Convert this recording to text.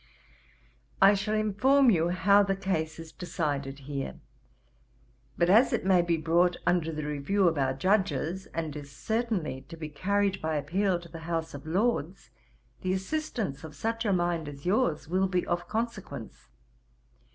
] 'I shall inform you how the cause is decided here. But as it may be brought under the review of our Judges, and is certainly to be carried by appeal to the House of Lords, the assistance of such a mind as yours will be of consequence.